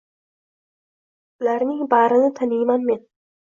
Ularning barini taniyman men.